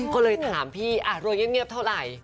ก็เลยถามพี่รวยเงียบเท่าไหร่